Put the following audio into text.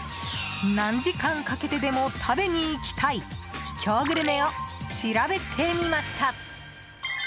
何時間かけてでも食べに行きたい秘境グルメを調べてみました。